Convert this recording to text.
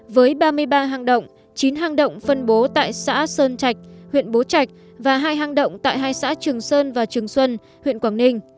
với ba mươi ba hang động chín hang động phân bố tại xã sơn trạch huyện bố trạch và hai hang động tại hai xã trường sơn và trường xuân huyện quảng ninh